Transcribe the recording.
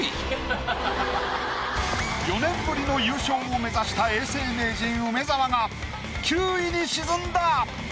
４年ぶりの優勝を目指した永世名人梅沢が９位に沈んだ。